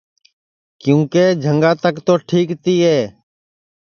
کیونکہ جھنگا تک تو ٹھیک تیے